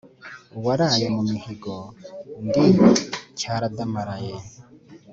Uwaraye mu mihigo Ndi Cyaradamaraye.